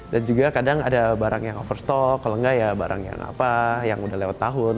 dan juga kadang ada barang yang overstock kalau nggak ya barang yang apa yang udah lewat tahun